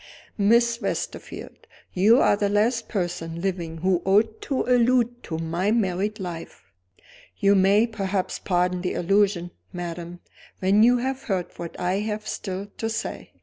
"Miss Westerfield, you are the last person living who ought to allude to my married life." "You may perhaps pardon the allusion, madam, when you have heard what I have still to say.